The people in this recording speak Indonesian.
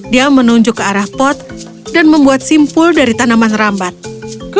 dia menunjuk ke arah pot dan membuat simpul dari tanaman rambat